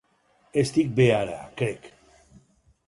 Estic bé ara, crec.